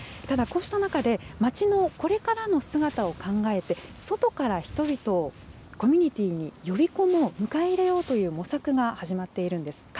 ただ、こうした中で、町のこれからの姿を考えて、外から人々をコミュニティに呼び込もう、迎え入れようという模索が始まっているんです。